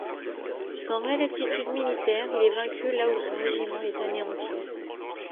Sans réelle aptitude militaire, il est vaincu la où son régiment est anéanti.